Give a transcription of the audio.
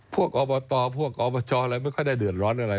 พวกอบาตรพวกอบชไม่ค่อยได้เดือดร้อนอะไร